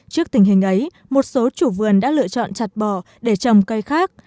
trước tình hình ấy một số chủ vườn đã lựa chọn chặt bò để trồng cây khác